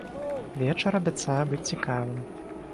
Вечар абяцае быць цікавым!